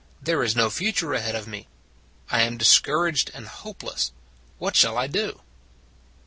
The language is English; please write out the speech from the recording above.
There is no future ahead of me; I am dis couraged and hopeless. What shall I do?"